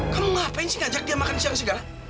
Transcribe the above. kamu ngapain sih ngajak dia makan siang segala